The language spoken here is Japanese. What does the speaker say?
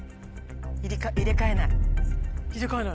入れ替えないの？